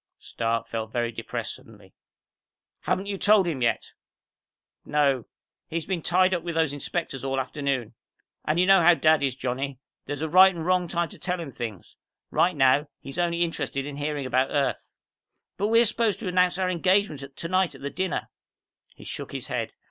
Stark felt very depressed suddenly. "Haven't you told him yet?" "No. He's been tied up with those inspectors all afternoon. And you know how Dad is, Johnny. There's a right and a wrong time to tell him things. Right now, he's only interested in hearing about Earth." "But we're supposed to announce our engagement tonight at the dinner." He shook his head.